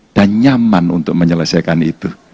dan nyaman untuk mengerjakan keadaan kita